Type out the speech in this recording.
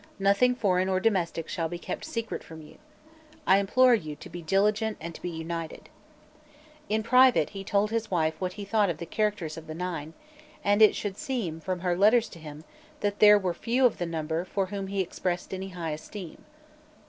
Nothing foreign or domestic shall be kept secret from you. I implore you to be diligent and to be united." In private he told his wife what he thought of the characters of the Nine; and it should seem, from her letters to him, that there were few of the number for whom he expressed any high esteem.